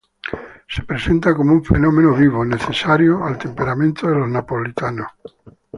Se presenta como un fenómeno vivo, necesario al temperamento de los Napolitanos.